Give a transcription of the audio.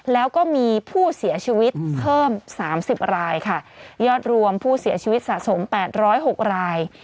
แล้วก็มีผู้เสียชีวิตเพิ่มสามสิบรายค่ะยอดรวมผู้เสียชีวิตสะสม๘๐๖ราย